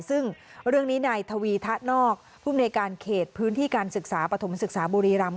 ซึ่งเรื่องนี้นายทวีทะนอกภูมิในการเขตพื้นที่การศึกษาปฐมศึกษาบุรีรำ